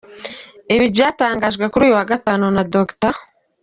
Ibi byatangajwe kuri uyu wa Gatanu na Dr.